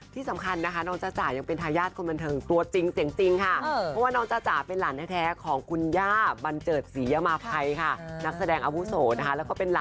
ที่สำคัญนะคะน้องจ้าจ๋ายังเป็นทายาทคนบันเทิงตัวจริงเสียงจริงค่ะ